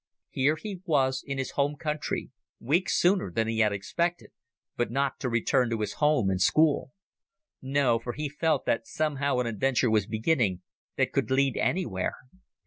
Here he was in his home country weeks sooner than he had expected but not to return to his home and school. No, for he felt that somehow an adventure was beginning that could lead anywhere.